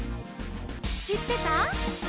「しってた？」